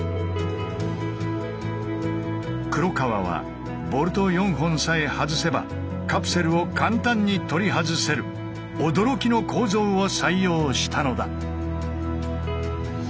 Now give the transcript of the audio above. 黒川はボルト４本さえ外せばカプセルを簡単に取り外せる驚きの構造を採用したのだ。